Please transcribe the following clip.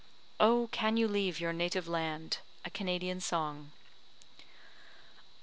OH! CAN YOU LEAVE YOUR NATIVE LAND? A Canadian Song Oh!